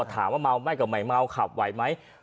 ถามว่าเมาไหมก็ไม่เมาขับไหวไหม